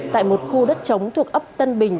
tại một khu đất trống thuộc ấp tân bình